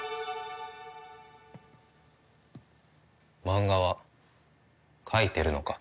マンガは描いてるのか？